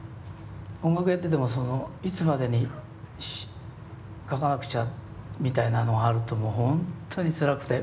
音楽やっててもいつまでに書かなくちゃみたいなのがあるともう本当につらくて。